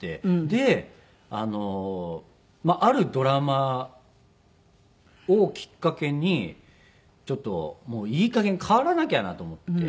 であるドラマをきっかけにちょっといい加減変わらなきゃなと思って。